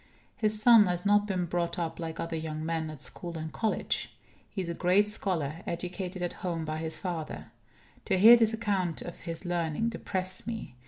His son has not been brought up like other young men, at school and college. He is a great scholar, educated at home by his father. To hear this account of his learning depressed me.